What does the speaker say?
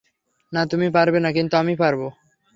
না, তুমি পারবে না, কিন্তু আমি পারব।